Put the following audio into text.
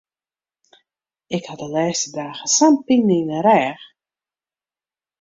Ik ha de lêste dagen sa'n pine yn de rêch.